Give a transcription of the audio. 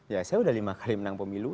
ya saya udah lima kali menang pemilu